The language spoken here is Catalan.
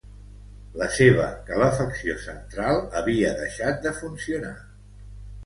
La seva calefacció central havia deixat de funcionar.